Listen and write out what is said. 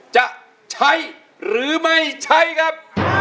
จะใช้หรือไม่ใช้ครับ